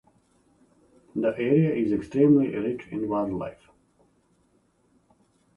The area is extremely rich in wildlife.